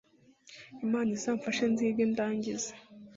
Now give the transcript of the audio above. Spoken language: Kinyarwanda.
imana izamfashe nzige ndangize